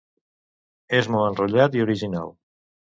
És molt enrotllat i original.